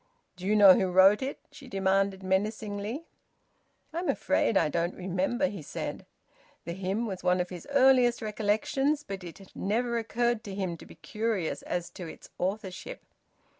"Do you know who wrote it?" she demanded menacingly. "I'm afraid I don't remember," he said. The hymn was one of his earliest recollections, but it had never occurred to him to be curious as to its authorship.